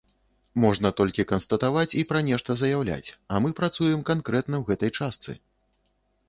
Можна толькі канстатаваць і пра нешта заяўляць, а мы працуем канкрэтна ў гэтай частцы!